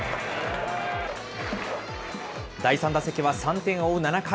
第３打席は３点を追う７回。